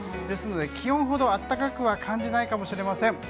ですので気温ほど暖かくは感じないかもしれません。